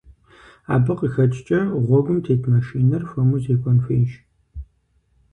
Абы къыхэкӀкӀэ, гъуэгум тет машинэр хуэму зекӀуэн хуейщ.